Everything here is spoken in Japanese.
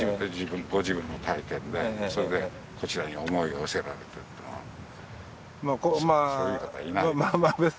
ご自分の体験でそれでこちらに思いを寄せられてってのはそういう方いないまあ